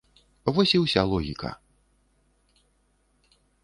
Вось і уся логіка.